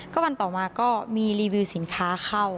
ก็วันต่อมาก็มีรีวิวสินค้าเข้า